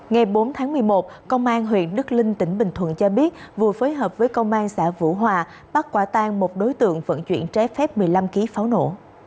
ngày bốn tháng một mươi một công an huyện đức linh tỉnh bình thuận cho biết vừa phối hợp với công an xã vũ hòa bắt quả tan một đối tượng vận chuyển trái phép một mươi năm kg pháo nổ